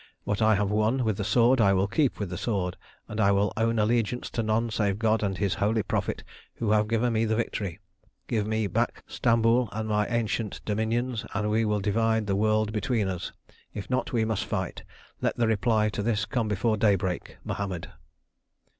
What I have won with the sword I will keep with the sword, and I will own allegiance to none save God and His holy Prophet who have given me the victory. Give me back Stamboul and my ancient dominions, and we will divide the world between us. If not we must fight. Let the reply to this come before daybreak. MOHAMMED.